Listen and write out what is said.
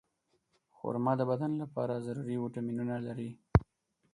خرما د بدن لپاره ضروري ویټامینونه لري.